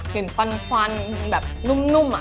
กลิ่นควันแบบนุ่ม